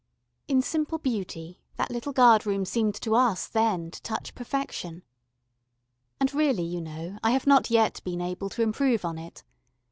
In simple beauty, that little guard room seemed to us then to touch perfection. And really, you know, I have not yet been able to improve on it.